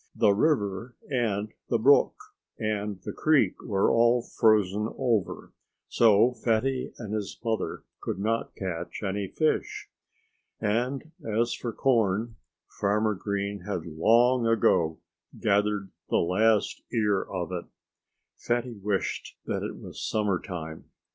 The river and the brook and the creek were all frozen over, so Fatty and his mother could not catch any fish. And as for corn Farmer Green had long ago gathered the last ear of it. Fatty wished that it was summertime.